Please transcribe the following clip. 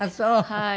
はい。